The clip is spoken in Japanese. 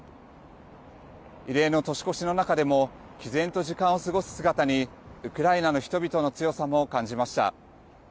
異例の年越しの中でもきぜんと時間を過ごす姿にウクライナの人々の強さも感じました。